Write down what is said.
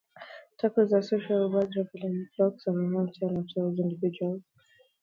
Turacos are social birds, travelling in flocks of around ten to twelve individuals.